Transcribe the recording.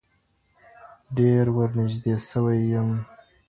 ډير ور نيژدې سوى يم